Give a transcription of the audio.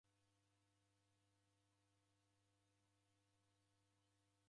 Naboilwa loli loli linu.